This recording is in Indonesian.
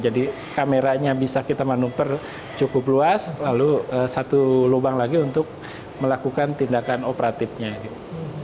jadi kameranya bisa kita manuver cukup luas lalu satu lobang lagi untuk melakukan tindakan operatifnya gitu